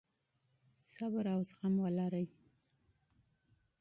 صبر او زغم ولرئ.